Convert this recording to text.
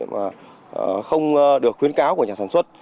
mà không được khuyến cáo của nhà sản xuất